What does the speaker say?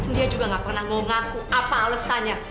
dia juga gak pernah mau ngaku apa alasannya